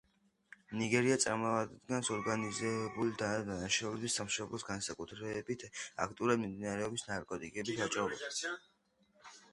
ნიგერია წარმოადგენს ორგანიზებული დანაშაულების სამშობლოს, განსაკუთრებით აქტიურად მიმდინარეობს ნარკოტიკებით ვაჭრობა.